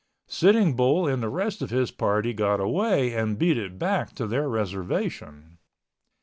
Sitting Bull and the rest of his party got away and beat it back to their reservation.